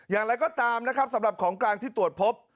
อย่างไรก็ตามนะครับสำหรับของกลางที่ตรวจพบ